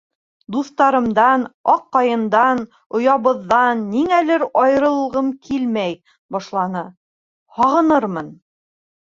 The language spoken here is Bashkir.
— Дуҫтарымдан, аҡ ҡайындан, оябыҙҙан, ниңәлер, айырылғым килмәй башланы, һағынырмын...